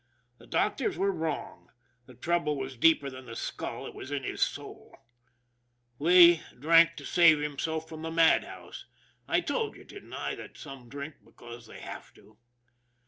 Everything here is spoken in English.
The doctors were wrong. The trouble was deeper than the skull it was in his soul. Lee drank to save him THE MAN WHO DIDN'T COUNT 255 self from the madhouse I told you, didn't I, that some men drink because they have to